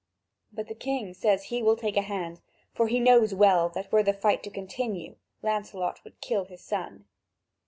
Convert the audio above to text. But the king says he will take a hand, for he knows well that, were the fight to continue, Lancelot would kill his son.